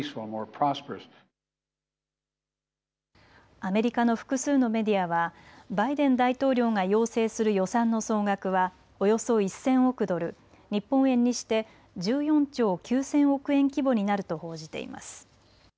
アメリカの複数のメディアはバイデン大統領が要請する予算の総額はおよそ１０００億ドル、日本円にして１４兆９０００億円規模になると報じています。